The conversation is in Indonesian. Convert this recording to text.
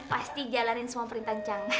pasti jalanin semua perintah